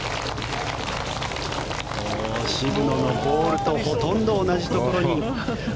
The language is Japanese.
渋野のボールとほとんど同じところに。